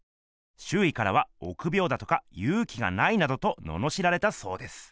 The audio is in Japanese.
しゅういからはおくびょうだとかゆうきがないなどとののしられたそうです。